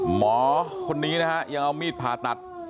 หมอคนนี้นะฮะยังเอามีดผ่าตัด